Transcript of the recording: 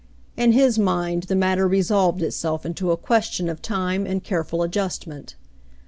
In his mind the matter resolved itself into a question of time and careful adjustment.